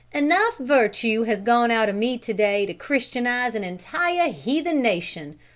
"Enough virtue has gone out of me to day to Christianize an entire heathen nation!